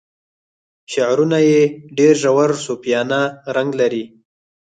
شعرونه یې ډیر ژور صوفیانه رنګ لري.